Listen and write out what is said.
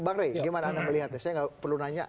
bang rey bagaimana anda melihatnya saya gak perlu nanya